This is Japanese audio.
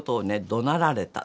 どなられた。